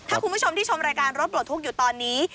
ถ้าคุณผู้ชมที่ชมรายการรถปลดทุกข์อยู่ตอนนี้